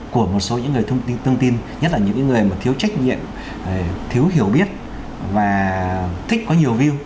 của một số những người thông tin nhất là những người thiếu trách nhiệm thiếu hiểu biết và thích có nhiều view